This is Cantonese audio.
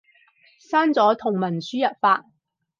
刪咗同文輸入法